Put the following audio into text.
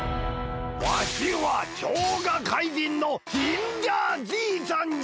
わたしはしょうがかいじんのジンジャーじいさんじゃ！